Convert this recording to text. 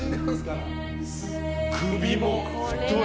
首も太い。